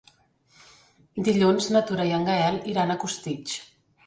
Dilluns na Tura i en Gaël iran a Costitx.